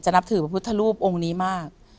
นับถือพระพุทธรูปองค์นี้มาก